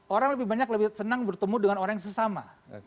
orang lebih banyak lebih senang bertemu dengan orang yang sesama